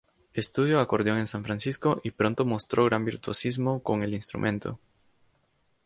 Estudio acordeón en San Francisco y pronto mostró gran virtuosismo con el instrumento.